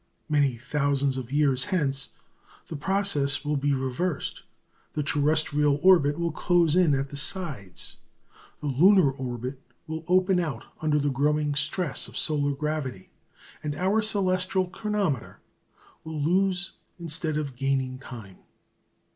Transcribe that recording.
Many thousands of years hence the process will be reversed; the terrestrial orbit will close in at the sides, the lunar orbit will open out under the growing stress of solar gravity, and our celestial chronometer will lose instead of gaining time.